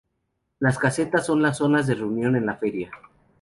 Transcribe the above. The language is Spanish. Las casetas son las zonas de reunión en la feria.